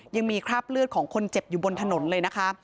ยังมีคราบเลือดของคนเจ็บอยู่บนถนนเลยนะคะ